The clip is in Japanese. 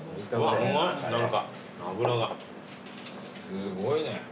すごいね。